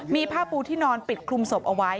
มีผ้าปูที่นอนปิดคลุมศพเอาไว้